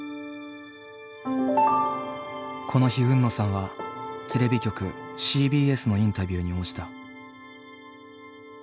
この日海野さんはテレビ局ＣＢＳのインタビューに応じた。